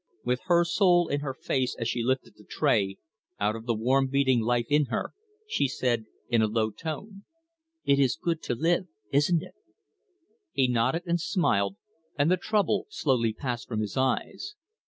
With her soul in her face as she lifted the tray, out of the warm beating life in her, she said in a low tone: "It is good to live, isn't it?" He nodded and smiled, and the trouble slowly passed from his eyes.